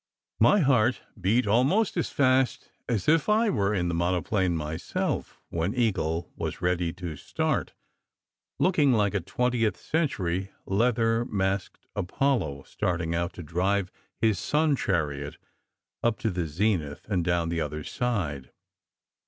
My heart beat almost as fast as if I were in the mono plane myself when Eagle was ready to start, looking like a twentieth century, leather masked Apollo starting out to drive his sun chariot up to the zenith and down the other side.